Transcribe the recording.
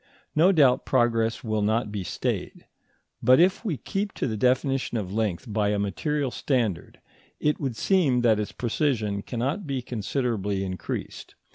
No doubt progress will not be stayed; but if we keep to the definition of length by a material standard, it would seem that its precision cannot be considerably increased.